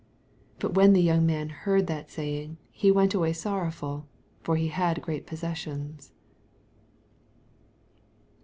22 But when the young man heard that saying, he went away sorrowful : for he had great possessions.